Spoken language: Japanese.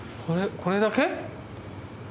これだけ。